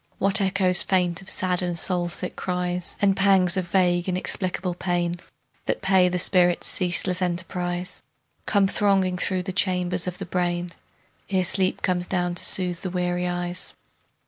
What echoes faint of sad and soul sick cries, And pangs of vague inexplicable pain That pay the spirit's ceaseless enterprise, Come thronging through the chambers of the brain Ere sleep comes down to soothe the weary eyes.